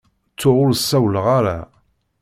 Ttuɣ ur sawleɣ ara.